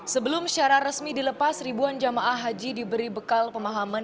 sebelum secara resmi dilepas ribuan jamaah haji diberi bekal pemahaman